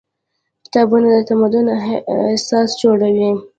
کتابونه د تمدن اساس جوړوي.